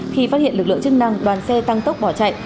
khi phát hiện lực lượng chức năng đoàn xe tăng tốc bỏ chạy